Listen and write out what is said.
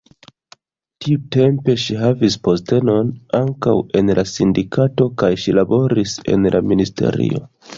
Tiutempe ŝi havis postenon ankaŭ en la sindikato kaj ŝi laboris en la ministerio.